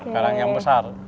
karang yang besar